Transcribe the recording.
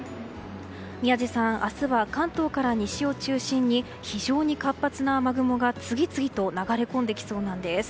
宮司さん、明日は関東から西を中心に非常に活発な雨雲が次々と流れ込んできそうなんです。